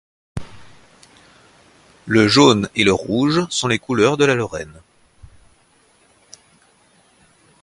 Le jaune et le rouge sont les couleurs de la Lorraine.